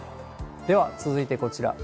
では続いてこちら。